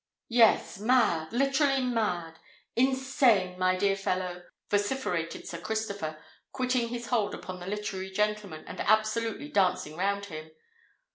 "Yes—mad—literally mad—insane—my dear fellow!" vociferated Sir Christopher, quitting his hold upon the literary gentleman and absolutely dancing round him.